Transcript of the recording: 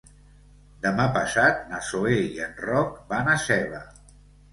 Demà passat na Zoè i en Roc van a Seva.